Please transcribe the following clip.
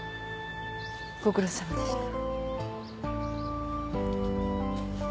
ご苦労さまでした。